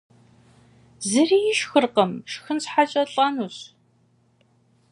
Зыри ишхыркъым, шхын щхьэкӀэ лӀэнущ.